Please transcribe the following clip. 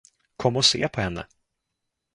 Kom och se på henne!